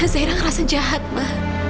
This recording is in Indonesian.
zairah ngerasa jahat ma